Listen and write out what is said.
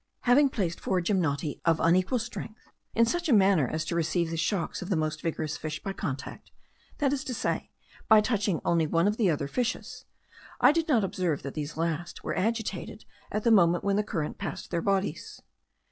Having placed four gymnoti, of unequal strength, in such a manner as to receive the shocks of the most vigorous fish by contact, that is to say, by touching only one of the other fishes, I did not observe that these last were agitated at the moment when the current passed their bodies.